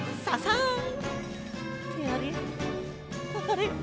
あれ？